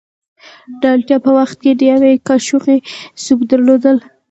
د اړتیا په وخت کې د یوې کاشوغې سوپ درلودل.